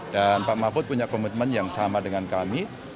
dan pak mahfud punya komitmen yang sama dengan kami